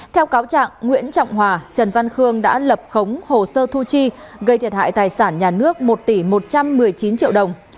theo cáo trạng nguyễn trọng hòa trần văn khương đã lập khống hồ sơ thu chi gây thiệt hại tài sản nhà nước một tỷ một trăm một mươi chín triệu đồng